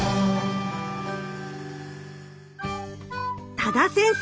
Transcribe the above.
多田先生